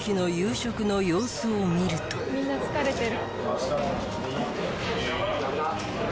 みんな疲れてる。